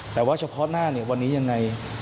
แต่ว่าเฉพาะหน้าวันนี้อย่างไร